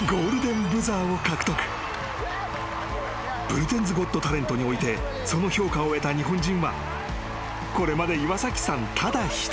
［『ブリテンズ・ゴット・タレント』においてその評価を得た日本人はこれまで岩崎さんただ一人］